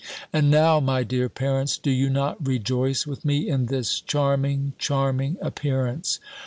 And now, my dear parents, do you not rejoice with me in this charming, charming appearance?